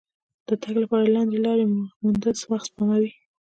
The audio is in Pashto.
د تګ لپاره لنډې لارې موندل وخت سپموي.